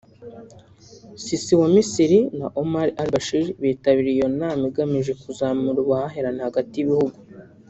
Sisi wa Misiri na Omar al-Bashir bitabiriye iyo nama igamije kuzamura ubuhahirane hagati y’ibihugu